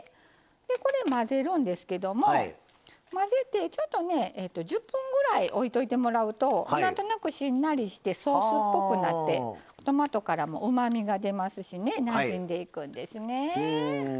これ混ぜるんですけども混ぜてちょっとね１０分ぐらいおいといてもらうとなんとなくしんなりしてソースっぽくなってトマトからもうまみが出ますしなじんでいくんですね。